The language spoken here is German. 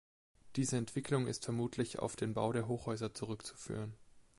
Diese Entwicklung ist vermutlich auf den Bau der Hochhäuser zurückzuführen.